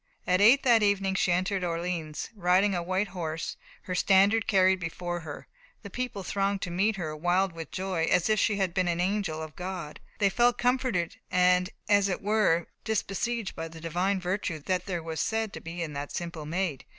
At eight that evening she entered Orleans, riding a white horse, her standard carried before her. The people thronged to meet her, wild with joy, "as if she had been an angel of God." "They felt comforted and, as it were, dis besieged by the divine virtue there was said to be in that simple Maid."